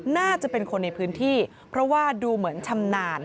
น่าจะเป็นคนในพื้นที่เพราะว่าดูเหมือนชำนาญ